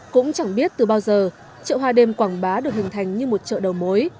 cũng chẳng biết từ bao giờ chợ hoa đêm quảng bá được hình thành như một chợ đầu mối